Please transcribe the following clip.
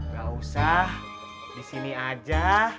gak usah disini aja